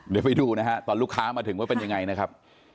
เดี๋ยวไปดูนะฮะตอนลูกค้ามาถึงว่าเป็นยังไงนะครับ